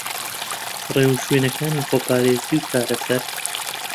رێوشوێنەکانی خۆپارێزی و چارەسەر